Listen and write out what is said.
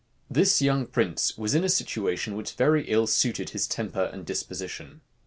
This young prince was in a situation which very ill suited his temper and disposition.